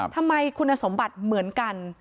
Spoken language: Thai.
ทำไมคุณสมบัติเหมือนกัน